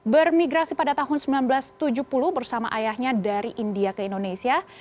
bermigrasi pada tahun seribu sembilan ratus tujuh puluh bersama ayahnya dari india ke indonesia